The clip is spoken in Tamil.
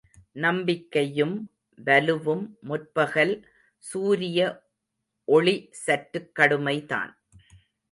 நம்பிக்கையும் வலுவும் முற்பகல் சூரிய ஒளி சற்றுக் கடுமை தான்.